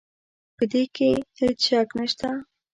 په دې کې هېڅ شک نه شته.